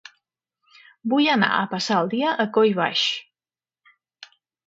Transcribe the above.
Vull anar a passar el dia a Collbaix.